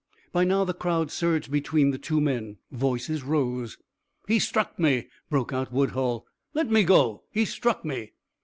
By now the crowd surged between the two men, voices rose. "He struck me!" broke out Woodhull. "Let me go! He struck me!"